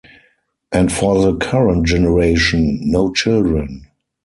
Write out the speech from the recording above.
And for the current generation, no children.